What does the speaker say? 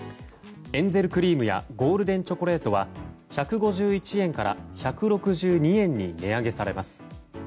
エンゼルクリームやゴールデンチョコレートは１５１円から１６２円に値上げされます。